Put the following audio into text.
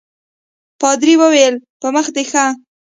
پادري وویل په مخه دي ښه.